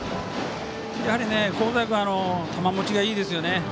やはり香西君は球もちがいいですよね。